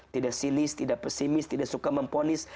tidak sinis tidak pesimis tidak suka memponis